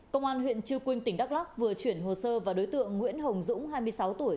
công an huyện chư quynh tỉnh đắk lắc vừa chuyển hồ sơ và đối tượng nguyễn hồng dũng hai mươi sáu tuổi